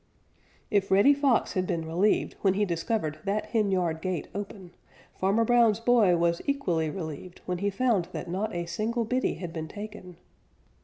If Reddy Fox had been relieved when he discovered that henyard gate open, Farmer Brown's boy was equally relieved when he found that not a single biddie had been taken.